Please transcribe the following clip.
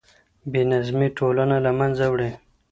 بې نظمي ټولنه له منځه وړي.